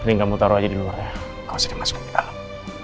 mending kamu taruh aja di luar ya kau masih dimasukin ke dalam